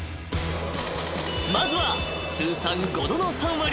［まずは通算五度の３割を記録］